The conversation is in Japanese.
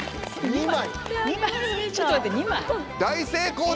２枚？